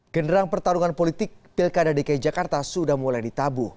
genderang pertarungan politik pilkada dki jakarta sudah mulai ditabuh